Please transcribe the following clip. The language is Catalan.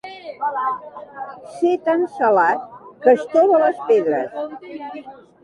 Ser tan salat que estova les pedres.